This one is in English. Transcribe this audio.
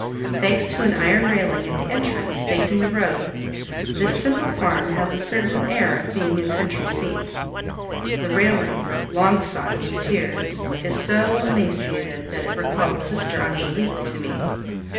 Thanks to an iron railing at the entrance facing the road, this simple farm has a certain air of being a country seat. The railing, long sought with tears, is so emaciated that it recalled Sister Angelique to me.